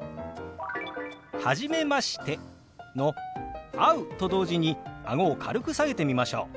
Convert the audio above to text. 「初めまして」の「会う」と同時にあごを軽く下げてみましょう。